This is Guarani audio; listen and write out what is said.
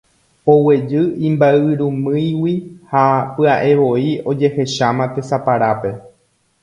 Oguejy imba'yrumýigui ha pya'evoi ojehecháma tesaparápe.